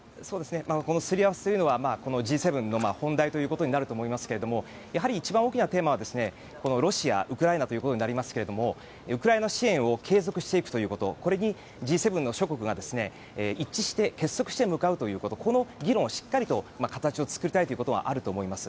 すり合わせというのはＧ７の本題となると思いますがやはり一番大きなテーマはロシア、ウクライナということになりますがウクライナ支援を継続していくということこれにＧ７諸国が一致して結束して向かうということこの議論をしっかりと形を作りたいということはあると思います。